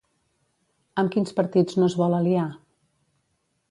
Amb quins partits no es vol aliar?